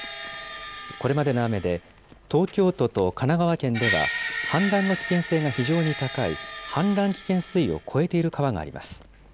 これまでの雨で東京都と神奈川県では、氾濫の危険性が非常に高い氾濫危険水位を超えている川があります。